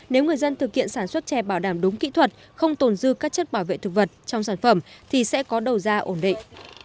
nếu người dân thực hiện sản xuất chè bảo đảm đúng kỹ thuật không tồn dư các chất bảo vệ thực vật trong sản phẩm thì sẽ có đầu ra ổn định